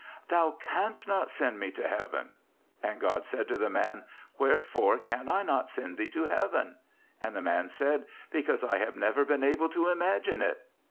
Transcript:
'"Thou canst not send me to Heaven." 'And God said to the man, "Wherefore can I not send thee to Heaven?" 'And the man said, "Because I have never been able to imagine it."